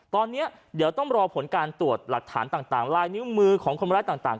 ตอนนี้เดี๋ยวต้องรอผลการตรวจหลักฐานต่างลายนิ้วมือของคนร้ายต่าง